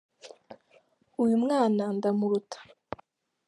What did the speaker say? uyumwana ndamuruta